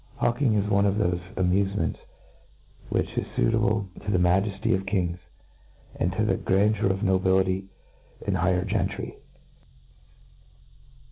Hawking is one of thofe amufeihents which U ♦ fuitahle to the. majefly of kings, and to the gran 'deur of nobility and higher gentry.